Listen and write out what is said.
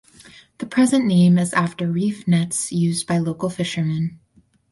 The present name is after reef nets used by local fishermen.